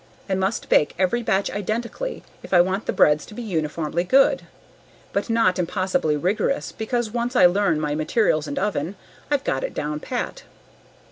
I must bake every batch identically if I want the breads to be uniformly good. But not impossibly rigorous because once I learn my materials and oven, I've got it down pat.